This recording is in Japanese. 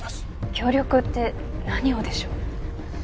協力って何をでしょう？